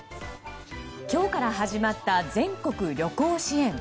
今日から始まった全国旅行支援。